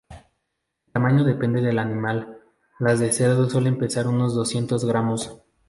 El tamaño depende del animal, las de cerdo suelen pesar unos doscientos gramos.